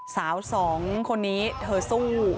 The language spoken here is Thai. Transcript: สาวสองคนนี้เธอสู้